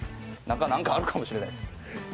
中なんかあるかもしれないです。